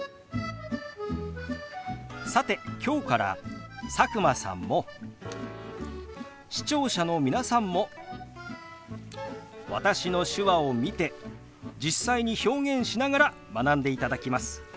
さて今日から佐久間さんも視聴者の皆さんも私の手話を見て実際に表現しながら学んでいただきます。